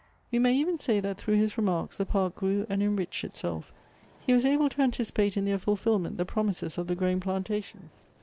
We may even say that through his remarks the park grew and enriched itself; he was able to anticipate in their fulfilment the promises of the growing plantations.